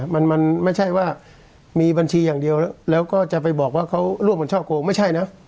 มันมันไม่ใช่ว่ามีบัญชีอย่างเดียวแล้วก็จะไปบอกว่าเขาร่วมกันช่อโกงไม่ใช่นะ